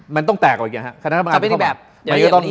มันต้องแตกออกอีกอย่างครับคณะทำงานต้องเข้ามา